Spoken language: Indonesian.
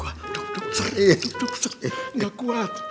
duduk duduk duduk duduk duduk